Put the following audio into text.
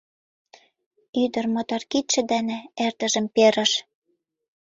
Ӱдыр мотор кидше дене эрдыжым перыш: